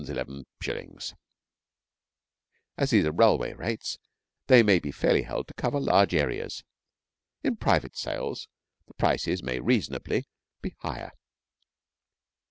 As these are railway rates, they may be fairly held to cover large areas. In private sales the prices may reasonably be higher.